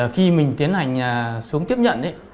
khi mình tiến hành xuống tiếp nhận